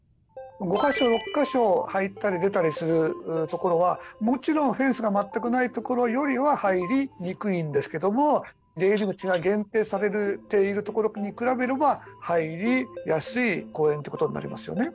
５か所６か所入ったり出たりするところはもちろんフェンスが全くないところよりは入りにくいんですけども出入り口が限定されているところに比べれば入りやすい公園ということになりますよね。